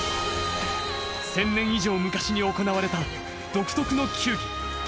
１０００年以上昔に行われた独特の球技。